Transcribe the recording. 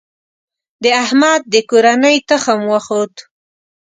د احمد د کورنۍ تخم وخوت.